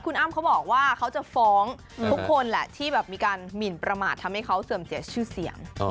คุณอ้ำเขาบอกว่าเขาจะฟ้องทุกคนแหละที่แบบมีการหมินประมาททำให้เขาเสื่อมเสียชื่อเสียง